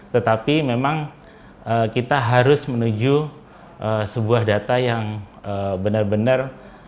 tetapi memang kita harus menuju sebuah data yang benar benar